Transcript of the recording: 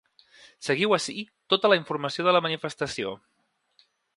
Seguiu ací tota la informació de la manifestació.